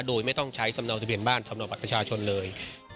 โดยไม่ต้องใช้สำเนาทะเบียนบ้านสำเนาบัตรประชาชนเลย